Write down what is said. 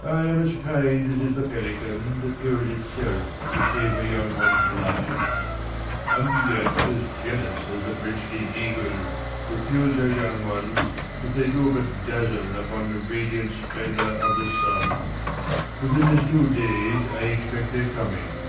Ill am as kind as is the pelican^ ^ /I That kills itself, to save her young ones' lives : 22 KING LEIR AND [ ACT II And yet as jealous as the princely eagle, 45 That kills her young ones, if they do but dazzle Upon the radiant splendour of the sun. Within this two days I expect their coming.